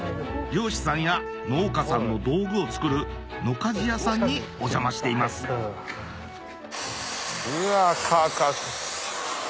漁師さんや農家さんの道具を作る野鍛冶屋さんにお邪魔していますうわ。